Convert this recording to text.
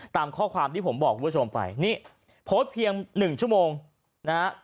ตามข้อความที่ผมบอกคุณผู้ชมไปนี่โพสต์เพียงหนึ่งชั่วโมงนะฮะ